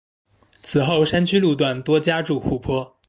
此后山区路段多加筑护坡。